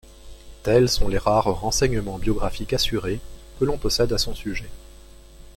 Tels sont les rares renseignements biographiques assurés, que l'on possède à son sujet.